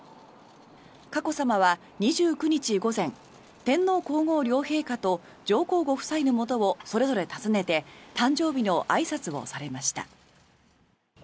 佳子さまは２９日午前天皇・皇后両陛下と上皇ご夫妻のもとをそれぞれ訪ねて誕生日のあいさつをされました。